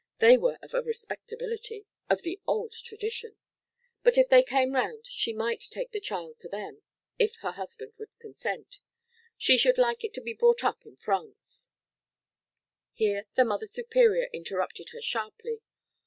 They were of a respectability! of the old tradition! But if they came round she might take the child to them, if her husband would consent. She should like it to be brought up in France "Here the Mother Superior interrupted her sharply.